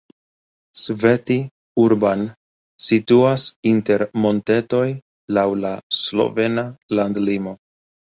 Sveti Urban situas inter montetoj laŭ la slovena landlimo.